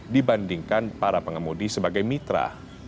dibandingkan para pengemudi sebagai mitra